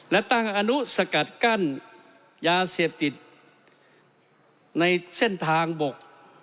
และตั้งอนุสกัดกั้นยาเสพติดในเส้นทางบก